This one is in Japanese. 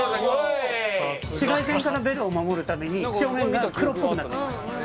紫外線からベロを守るために表面が黒っぽくなっています